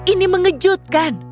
tapi ini mengejutkan